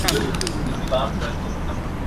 একদিন ছিল যখন মেয়েরা ছিল সেবিকা, দাসী।